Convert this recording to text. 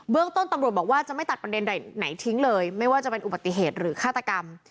ต้นตำรวจบอกว่าจะไม่ตัดประเด็นใดไหนทิ้งเลยไม่ว่าจะเป็นอุบัติเหตุหรือฆาตกรรม